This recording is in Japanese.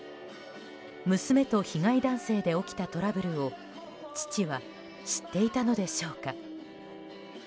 娘と被害男性で起きたトラブルを父は知っていたのでしょうか。